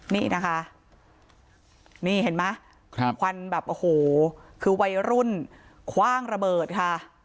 นี่นะคะนี่เห็นไหมควันแบบโอ้โหคือวัยรุ่นคว่างระเบิดค่ะ